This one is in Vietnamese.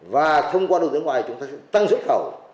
và thông qua đầu tư nước ngoài chúng ta sẽ tăng xuất khẩu